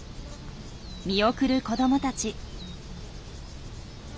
見送る子どもたち。